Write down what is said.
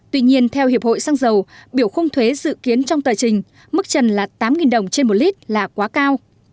tuy nhiên theo hiệp hội xăng dầu biểu khung thuế dự kiến trong tờ trình mức trần là tám đồng trên một lít là quá cao